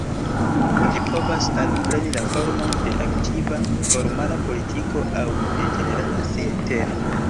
Ĝi povas alpreni la formon de aktiva, formala politiko aŭ de ĝenerala sinteno.